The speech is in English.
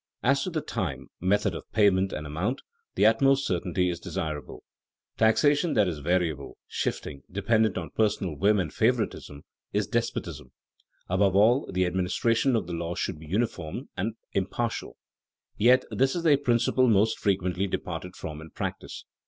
As to the time, method of payment, and amount, the utmost certainty is desirable. Taxation that is variable, shifting, dependent on personal whim and favoritism, is despotism. Above all, the administration of the law should be uniform and impartial, yet this is a principle most frequently departed from in practice.